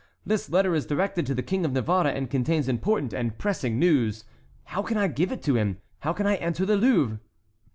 This letter is directed to the King of Navarre and contains important and pressing news. How can I give it to him? How can I enter the Louvre?"